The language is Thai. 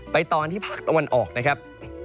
ตอนที่ภาคตะวันออกนะครับ